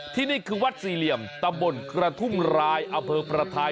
ที่นี่คือวัดซีเหลี่ยมตำบลครถุ้มลายอเผอร์พระทาย